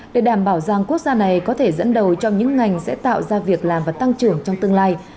để đảm bảo rằng quốc gia này có thể dẫn đầu trong những ngành sẽ tạo ra việc làm và tăng trưởng trong tương lai